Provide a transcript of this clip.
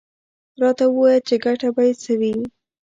_راته ووايه چې ګټه به يې څه وي؟